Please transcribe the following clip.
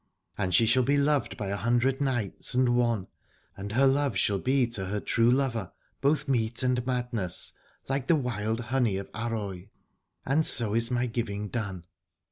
And she shall be loved by a hundred knights and one, and her love shall be to her true lover both meat and madness, like the wild honey of Arroy: and so is my giving done.